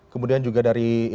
kemudian juga dari investasi